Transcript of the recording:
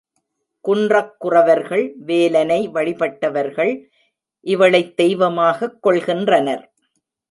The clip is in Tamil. குன்றக் குறவர்கள் வேலனை வழிபட்டவர்கள் இவளைத் தெய்வமாகக் கொள்கின்றனர்.